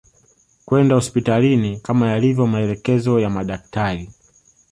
kwenda hospitalini kama yalivyo maelekezo ya madaktari